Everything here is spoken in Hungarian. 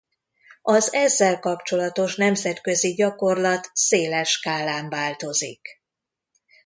Az ezzel kapcsolatos nemzetközi gyakorlat széles skálán változik.